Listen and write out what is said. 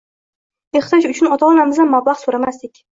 Ehtiyoj uchun ota-onamizdan mablag‘ so’ramasdik.